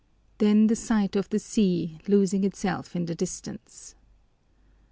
Then the sight of the sea losing itself in the distance!